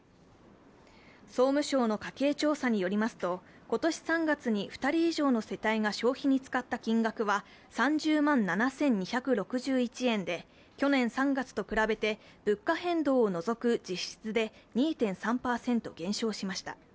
総務省の家計調査によりますと、今年３月に２人以上の世帯が消費に使った金額は３０万７２６１円で去年３月と比べて物価変動を除く実質で２．３％減少しました。